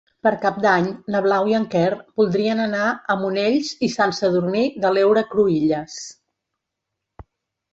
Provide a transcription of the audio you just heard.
Per Cap d'Any na Blau i en Quer voldrien anar a Monells i Sant Sadurní de l'Heura Cruïlles.